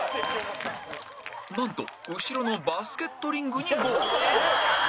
なんと後ろのバスケットリングにゴール